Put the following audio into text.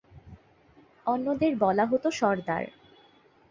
অন্যদের বলা হত সর্দার।